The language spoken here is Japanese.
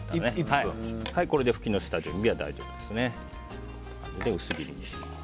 これでフキの下準備は大丈夫です。